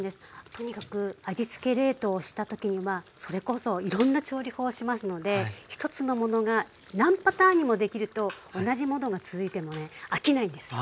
とにかく味つけ冷凍をした時にはそれこそいろんな調理法をしますので１つのものが何パターンにもできると同じものが続いてもね飽きないんですよ。